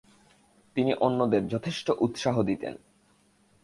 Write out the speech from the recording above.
তিনি অন্যদের যথেষ্ট উৎসাহ দিতেন।